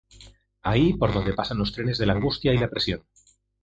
Ahí, por donde pasan los trenes de la angustia y la presión.